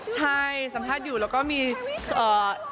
สัมภาษณ์อยู่แล้วก็มีล่ะ